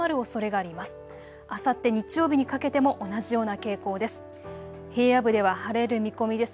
あさって日曜日にかけても同じような傾向です。